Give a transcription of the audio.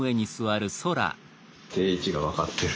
定位置が分かってる。